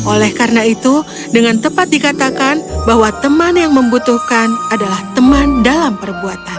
oleh karena itu dengan tepat dikatakan bahwa teman yang membutuhkan adalah teman dalam perbuatan